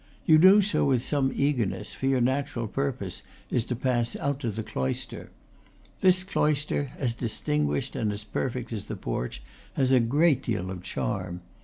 You do so with some eager ness, for your natural purpose is to pass out to the cloister. This cloister, as distinguished and as per fect as the porch, has a great deal of charm.